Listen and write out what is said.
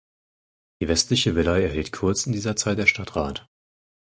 Die westliche Villa erhielt kurz in dieser Zeit der Stadtrat.